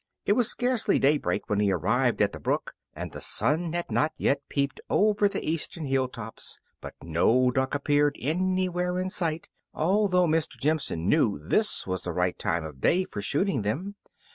It was scarcely daybreak when he arrived at the brook, and the sun had not yet peeped over the eastern hill tops, but no duck appeared anywhere in sight, although Mr. Jimson knew this was the right time of day for shooting them.